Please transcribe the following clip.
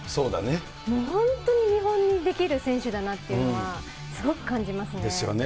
本当に見本にできる選手だなっていうのは、すごく感じますね。ですよね。